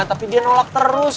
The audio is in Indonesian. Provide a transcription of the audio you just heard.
tapi dia nolak terus